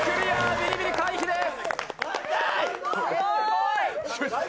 ビリビリ回避です！